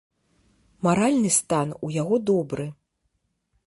Маральны стан у яго добры.